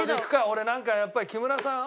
俺なんかやっぱり木村さん